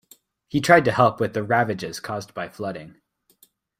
He tried to help with the ravages caused by flooding.